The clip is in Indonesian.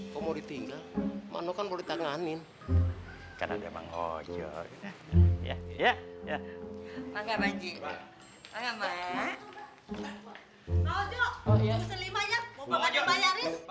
kamu ditinggal mana kan boleh tanganin karena memang ojo ya ya ya ya ya ya ya ya ya ya ya ya